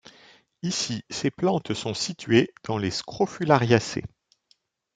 Ici, ces plantes sont situées dans les Scrofulariacées.